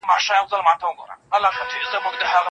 شتمن خلګ ځانونه ایماندار ښیي.